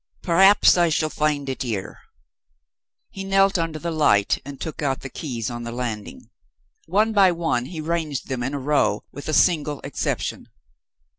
"Perhaps, I shall find it in here?" He knelt down under the light, and shook out the keys on the landing. One by one he ranged them in a row, with a single exception.